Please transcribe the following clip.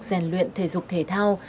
rèn luyện thể dục thể thao